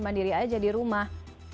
mandiri aja di rumah